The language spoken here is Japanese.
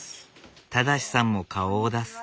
正さんも顔を出す。